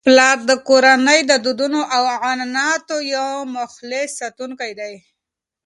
پلار د کورنی د دودونو او عنعناتو یو مخلص ساتونکی دی.